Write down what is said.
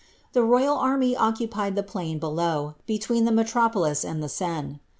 The royal army occupied the ain below, between the metropolis and the Seine.